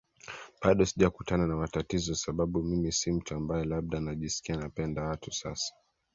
bado sijakutana na matatizo sababu mimi si mtu ambaye labda najisikia Napenda watu Sasa